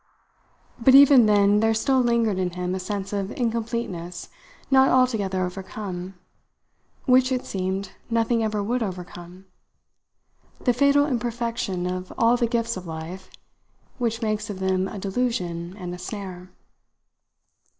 But even then there still lingered in him a sense of incompleteness not altogether overcome which, it seemed, nothing ever would overcome the fatal imperfection of all the gifts of life, which makes of them a delusion and a snare.